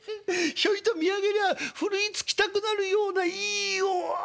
ひょいと見上げりゃあふるいつきたくなるようないいおああ。